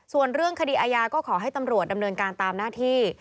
ส่วนเรื่องคดีอาญาก็ขอให้ตำรวจดำเนินการตามหน้าที่